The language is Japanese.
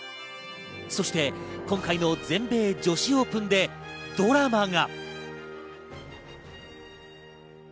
そして今回の全米女子オープンでドラマが。